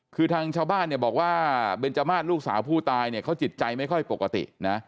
คือทางชาวบ้านเนี่ยบอกว่าเบนจมาสลูกสาวผู้ตายเนี่ยเขาจิตใจไม่ค่อยปกตินะ